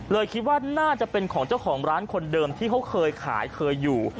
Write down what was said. คิดว่าน่าจะเป็นของเจ้าของร้านคนเดิมที่เขาเคยขายเคยอยู่